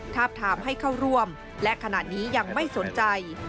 ทาบทามให้เข้าร่วมและขณะนี้ยังไม่สนใจ